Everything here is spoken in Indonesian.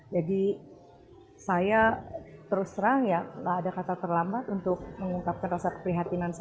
jadi saya terus terang ya gak ada kata terlambat untuk mengungkapkan rasa keprihatinan saya